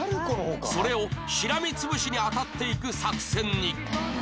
それをしらみ潰しに当たっていく作戦に